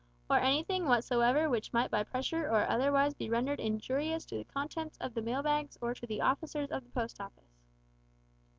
`or anything whatsoever which might by pressure or otherwise be rendered injurious to the contents of the mail bags or to the officers of the Post Office.'